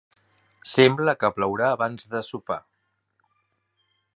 Sembla que plourà abans de sopar.